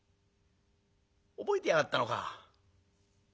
覚えてやがったのか。